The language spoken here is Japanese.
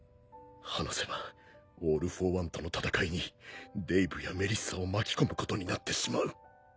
話せばオール・フォー・ワンとの戦いにデイヴやメリッサを巻き込むことになってしまう